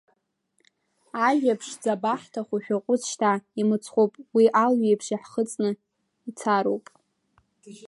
Ажәаԥшӡа абаҳҭаху, шәаҟәыҵ, шьҭа имыцхәуп, уи алҩеиԥш иаҳхыҵны ицароуп!